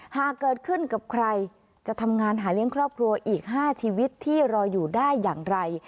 หากเกิดขึ้นกับใครจะทำงานหาเลี้ยงครอบครัวอีก๕ชีวิตที่รออยู่ได้อย่างไร